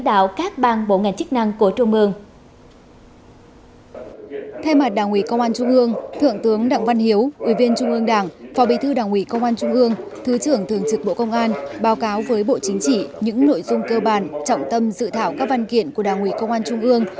báo cáo với bộ chính trị những nội dung cơ bản trọng tâm dự thảo các văn kiện của đảng ủy công an trung hương